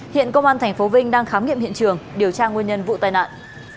hiện công an tp vinh đang khám nghiệm hiện trường điều tra nguyên nhân vụ tai nạn